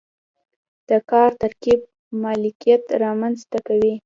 د کار ترکیب مالکیت رامنځته کوي.